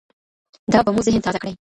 دا به مو ذهن تازه کړي.